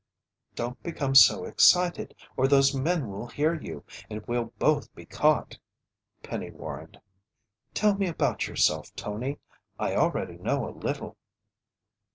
"Don't become so excited, or those men will hear you and we'll both be caught," Penny warned. "Tell me about yourself, Tony. I already know a little."